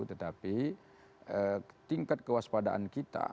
tetapi tingkat kewaspadaan kita